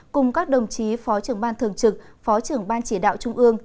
cùng các đồng chí phó trưởng ban thường trực phó trưởng ban chỉ đạo trung ương